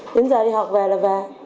đến giờ đi học về là về